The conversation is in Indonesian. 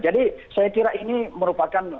jadi saya kira ini merupakan